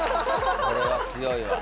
これは強いわ。